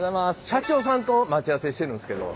社長さんと待ち合わせしてるんですけど。